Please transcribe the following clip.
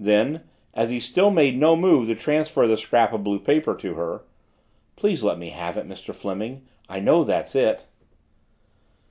Then, as he still made no move to transfer the scrap of blue paper to her, "Please let me have it, Mr. Fleming. I know that's it."